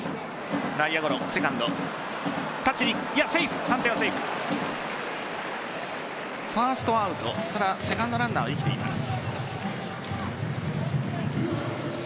ファーストアウトただセカンドランナーは生きています。